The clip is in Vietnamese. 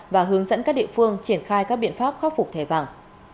và hướng dẫn các địa phương triển khai các biện pháp khắc phục thẻ vàng